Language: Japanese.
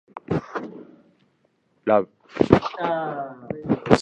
愛